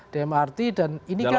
di mrt dan ini kan